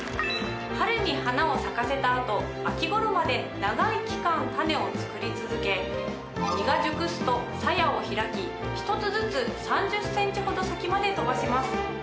春に花を咲かせた後秋頃まで長い期間種を作り続け実が熟すとさやを開き１つずつ３０ｃｍほど先まで飛ばします。